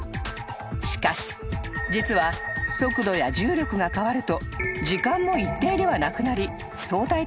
［しかし実は速度や重力が変わると時間も一定ではなくなり相対的に変化するんです］